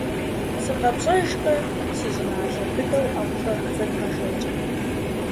СыкъэпщӀэжкъэ, си щӀыналъэ, быдэу ӀэплӀэ зэдгъэшэкӀ.